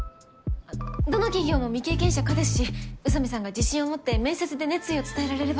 あっどの企業も未経験者可ですし宇佐美さんが自信を持って面接で熱意を伝えられれば。